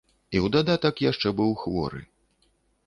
І ў дадатак яшчэ быў хворы.